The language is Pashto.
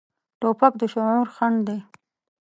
توپک د شعور خنډ دی.